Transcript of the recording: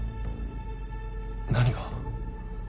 何が？